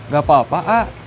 gak apa apa ah